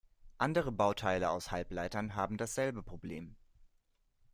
Andere Bauteile aus Halbleitern haben dasselbe Problem.